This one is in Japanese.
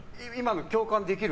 共感できる？